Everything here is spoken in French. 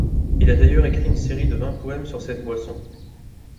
Il a d'ailleurs écrit une série de vingt poèmes sur cette boisson.